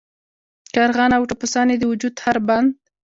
کارغان او ټپوسان یې د وجود هر بند.